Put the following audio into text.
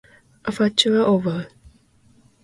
Aperture oval.